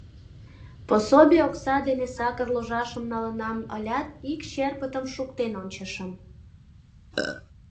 Пособий окса дене сакыр ложашым налынам ылят, ик черпытым шуктен ончышым.